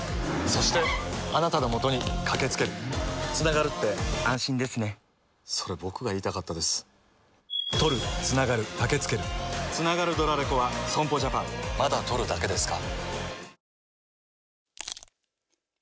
そして、あなたのもとにかけつけるつながるって安心ですねそれ、僕が言いたかったですつながるドラレコは損保ジャパンまだ録るだけですか？